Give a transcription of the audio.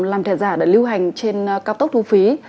làm thẻ giả để lưu hành trên cao tốc thu phí